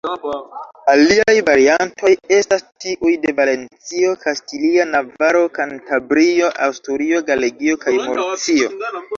Aliaj variantoj estas tiuj de Valencio, Kastilio, Navaro, Kantabrio, Asturio, Galegio kaj Murcio.